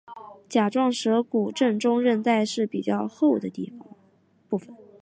甲状舌骨正中韧带是较厚的部分。